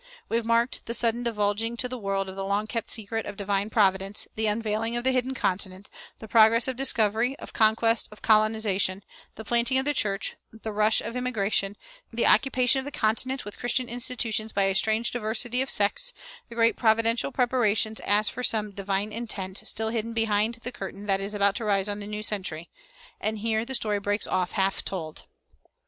We have marked the sudden divulging to the world of the long kept secret of divine Providence; the unveiling of the hidden continent; the progress of discovery, of conquest, of colonization; the planting of the church; the rush of immigration; the occupation of the continent with Christian institutions by a strange diversity of sects; the great providential preparations as for some "divine event" still hidden behind the curtain that is about to rise on the new century, and here the story breaks off half told.